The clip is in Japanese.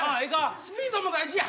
スピードも大事や。